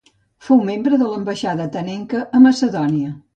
Fou membre de l'ambaixada atenenca a Macedònia.